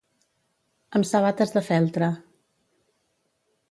Amb sabates de feltre.